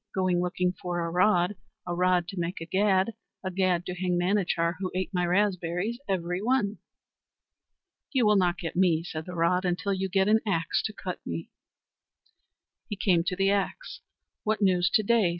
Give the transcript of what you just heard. Going looking for a rod, a rod to make a gad, a gad to hang Manachar, who ate my raspberries every one." "You will not get me," said the rod, "until you get an axe to cut me." He came to the axe. "What news to day?"